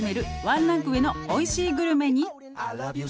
「ワンランク上のおいしいグルメに」